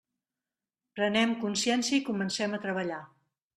Prenem consciència i comencem a treballar.